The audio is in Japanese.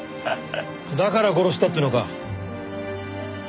だから殺したっていうのか？